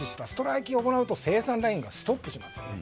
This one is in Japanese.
ストライキを行うと生産ラインがストップします。